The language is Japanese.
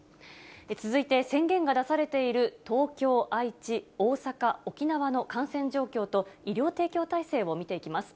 続いて、宣言が出されている東京、愛知、大阪、沖縄の感染状況と、医療提供体制を見ていきます。